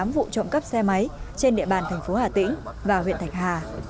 tám vụ trộm cắp xe máy trên địa bàn thành phố hà tĩnh và huyện thạch hà